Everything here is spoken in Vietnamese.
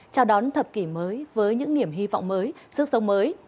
chào đón thập kỷ mới với những niềm hy vọng mới sức sống mới